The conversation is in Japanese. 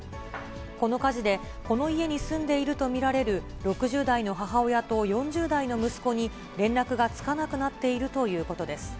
この火事で、この家に住んでいると見られる６０代の母親と４０代の息子に、連絡がつかなくなっているということです。